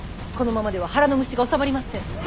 このままでは腹の虫がおさまりません。